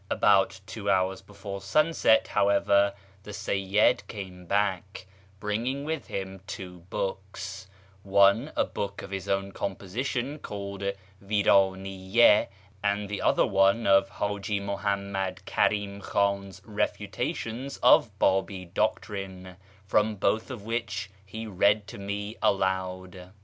About two hours before sunset, however, the Seyyid came back, bringing with him two books, one a book of his own composition, called VirdniyyS, and the other one of Haji Muhammad Karim Khan's refutations of Babi doctrine, from both of which he read to me aloud.